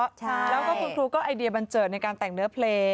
แล้วก็คุณครูก็ไอเดียบันเจิดในการแต่งเนื้อเพลง